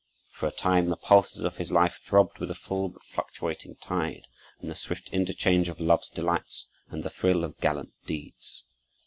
For a time the pulses of his life throbbed with a full but fluctuating tide, in the swift interchange of love's delights and the thrill of gallant deeds.